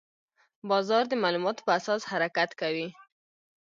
بازار د معلوماتو په اساس حرکت کوي.